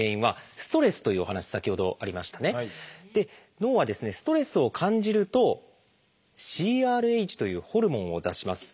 ストレスを感じると「ＣＲＨ」というホルモンを出します。